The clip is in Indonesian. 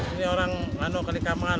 ini orang ano kelikaman